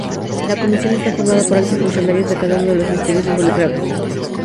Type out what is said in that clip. La comisión está formada por altos funcionarios de cada uno de los ministerios involucrados.